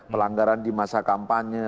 pelanggaran di masa kampanye